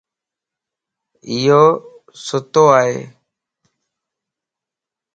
ايو سُتوائي